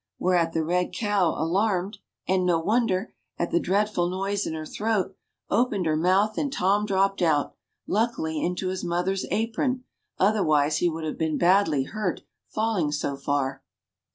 Whereat the red cow, alarmed — and no wonder !— at the dreadful noise in her throat, opened her mouth, and Tom dropped out, luckily into his mother's apron ; otherwise he would have been badly hurt falling so far.